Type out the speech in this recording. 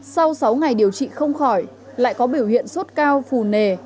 sau sáu ngày điều trị không khỏi lại có biểu hiện sốt cao phù nề